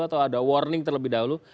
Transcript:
atau ada warning terlebih dahulu